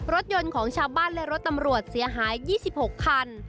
รถยนต์ของชาวบ้านและรถตำรวจเสียหาย๒๖คัน